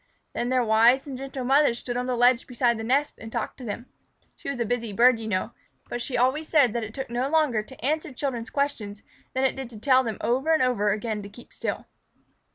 Then their wise and gentle mother stood on the ledge beside the nest and talked to them. She was a busy bird, you know, but she always said that it took no longer to answer children's questions than it did to tell them over and over again to keep still.